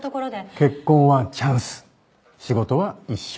結婚はチャンス仕事は一生。